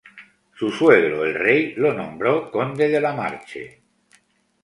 Su suegro, el rey, lo nombró conde de La Marche.